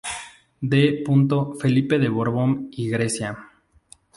D. Felipe de Borbón y Grecia.